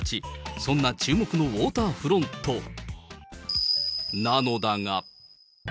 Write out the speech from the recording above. そんな注目のウォーターフロントなのだが。